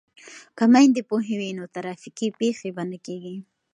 که میندې پوهې وي نو ترافیکي پیښې به نه کیږي.